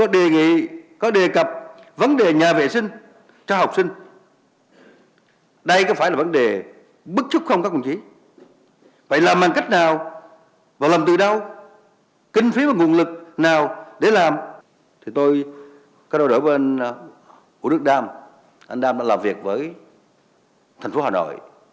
để làm thì tôi các đồng đội bên của đức đam anh đam đã làm việc với thành phố hà nội